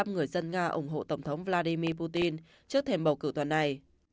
tám mươi sáu người dân nga ủng hộ tổng thống vladimir putin trước thềm bầu cử tuần này